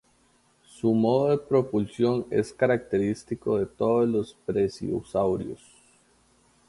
Su modo de propulsión es característico de todos los plesiosaurios.